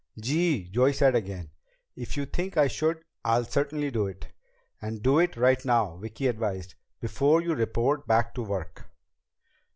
"Gee!" Joey said again. "If you think I should, I'll certainly do it." "And do it right now," Vicki advised, "before you report back to work."